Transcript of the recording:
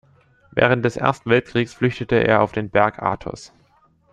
Während des Ersten Weltkrieges flüchtete er auf den Berg Athos.